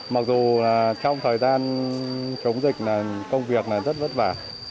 một thời gian chống dịch công việc rất vất vả